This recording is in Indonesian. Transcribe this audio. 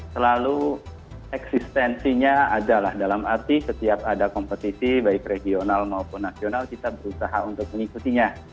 selalu eksistensinya adalah dalam arti setiap ada kompetisi baik regional maupun nasional kita berusaha untuk mengikutinya